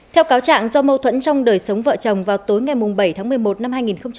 theo cáo trạng do mâu thuẫn trong đời sống vợ chồng vào tối ngày bảy tháng một mươi một năm hai nghìn một mươi bảy